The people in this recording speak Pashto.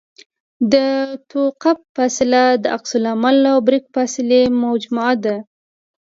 د توقف فاصله د عکس العمل او بریک فاصلې مجموعه ده